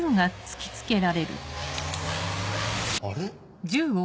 あれ？